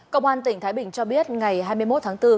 công an tỉnh thái bình cho biết ngày hai mươi một tháng bốn